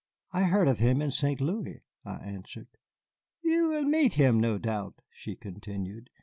"I heard of him in St. Louis," I answered. "You will meet him, no doubt," she continued.